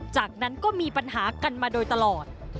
จากนั้นก็มีปัญหากันมาโดยตลอด